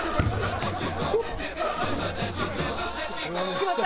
決まった！